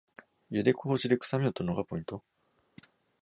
ゆでこぼしでくさみを取るのがポイント